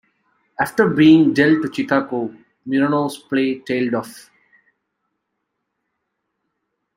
After being dealt to Chicago, Mironov's play tailed off.